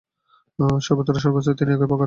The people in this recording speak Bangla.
সর্বত্র সর্বাবস্থায় তিনি একই প্রকার।